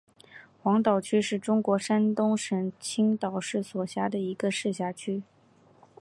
黄岛区是中国山东省青岛市所辖的一个市辖区。